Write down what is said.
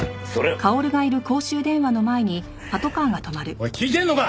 おい聞いてるのか！？